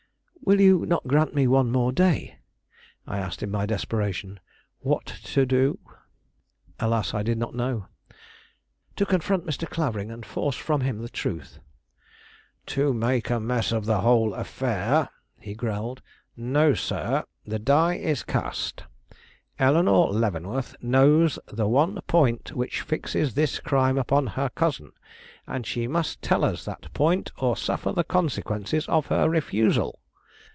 "Will you not grant me one more day?" I asked in my desperation. "What to do?" Alas, I did not know. "To confront Mr. Clavering, and force from him the truth." "To make a mess of the whole affair!" he growled. "No, sir; the die is cast. Eleanore Leavenworth knows the one point which fixes this crime upon her cousin, and she must tell us that point or suffer the consequences of her refusal."